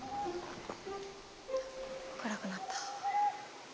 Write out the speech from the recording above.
暗くなった。